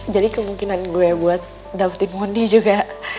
jadi kemungkinan gue buat dapetin monty juga